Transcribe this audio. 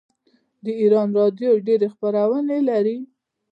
د ایران راډیو ډیرې خپرونې لري.